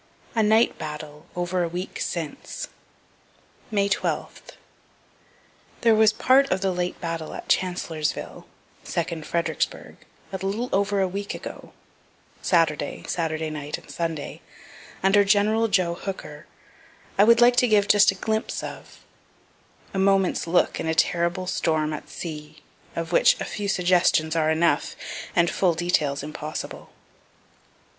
A NIGHT BATTLE OVER A WEEK SINCE May 12. There was part of the late battle at Chancellorsville, (second Fredericksburgh,) a little over a week ago, Saturday, Saturday night and Sunday, under Gen. Joe Hooker, I would like to give just a glimpse of (a moment's look in a terrible storm at sea of which a few suggestions are enough, and full details impossible.)